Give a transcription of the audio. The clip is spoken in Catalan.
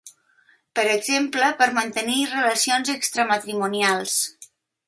Per exemple, per mantenir relacions extramatrimonials.